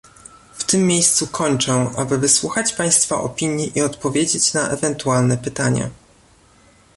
W tym miejscu kończę, aby wysłuchać Państwa opinii i odpowiedzieć na ewentualne pytania